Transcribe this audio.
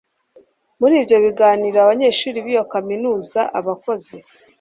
Muri ibyo biganiro abanyeshuri b iyo kaminuza abakozi